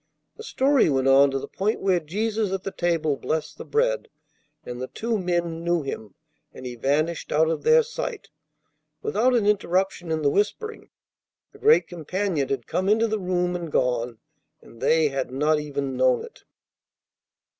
The story went on to the point where Jesus at the table blessed the bread, and the two men knew Him, and He vanished out of their sight, without an interruption in the whispering. The Great Companion had come into the room and gone, and they had not even known it.